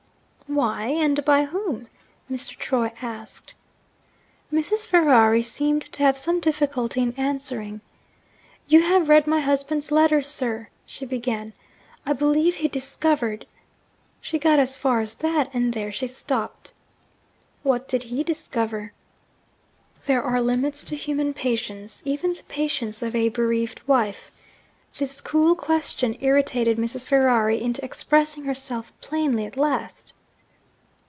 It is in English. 'Why? And by whom?' Mr. Troy asked. Mrs. Ferrari seemed to have some difficulty in answering. 'You have read my husband's letters, sir,' she began. 'I believe he discovered ' She got as far as that, and there she stopped. 'What did he discover?' There are limits to human patience even the patience of a bereaved wife. This cool question irritated Mrs. Ferrari into expressing herself plainly at last.